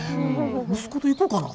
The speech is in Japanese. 息子と行こかな。